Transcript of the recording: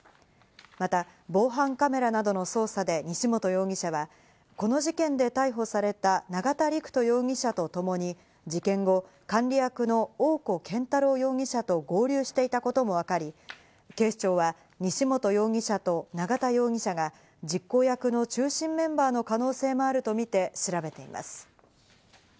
また防犯カメラなどの捜査で西本容疑者はこの事件で逮捕された永田陸人容疑者とともに、事件後、管理役の大古健太郎容疑者と合流していたことも分かり、警視庁は西本容疑者と永田容疑者が実行役の中心メンバーの可能性もあるとみて、調べています。